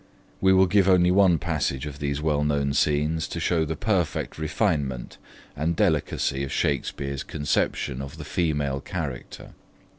We will give only one passage of these well known scenes to show the perfect refinement and delicacy of Shakespeare's conception of the female character.